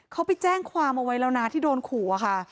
เขาไปแจ้งความเอาไว้แล้วนะที่โดนขู่อะค่ะ